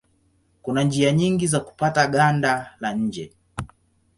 Kuna njia nyingi za kupata ganda la nje.